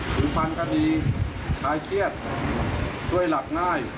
ถึงพันก็ดีคลายเครียดด้วยหลับง่าย